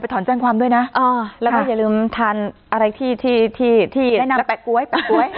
ถอนแจ้งความด้วยนะแล้วก็อย่าลืมทานอะไรที่ที่แนะนำแปะก๊วยแปะก๊วย